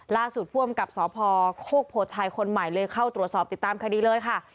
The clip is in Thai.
ลาสูดผัวกับสคโขโขทัยคนหมายเลยเข้าตรวจสอบติดตามคดีเลยค่ะ